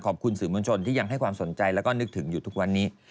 ขอบคุณสื่อมวลชนที่ยังให้ความสนใจแล้วก็นึกถึงอยู่ทุกวันนี้